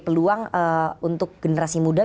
peluang untuk generasi muda